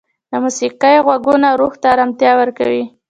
د موسیقۍ ږغونه روح ته ارامتیا ورکوي.